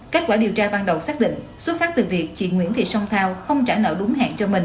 kết quả điều tra ban đầu xác định xuất phát từ việc chị nguyễn thị song thao không trả nợ đúng hẹn cho mình